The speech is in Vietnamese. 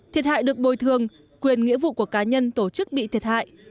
thiệt hại được bồi thường quyền nghĩa vụ của cá nhân tổ chức bị thiệt hại